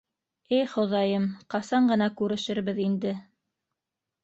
— Эй Хоҙайым, ҡасан ғына күрешербеҙ инде?